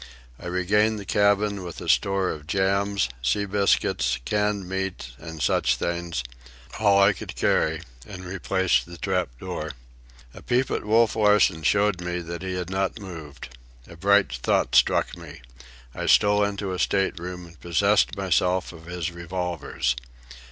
I regained the cabin with a store of jams, sea biscuits, canned meats, and such things,—all I could carry,—and replaced the trap door. A peep at Wolf Larsen showed me that he had not moved. A bright thought struck me. I stole into his state room and possessed myself of his revolvers.